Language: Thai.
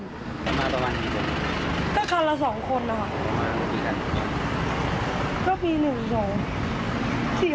ดีกว่าและสงสารที่สงบถึงขอยแล้ว